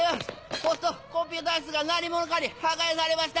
ホストコンピューター室が何者かに破壊されました！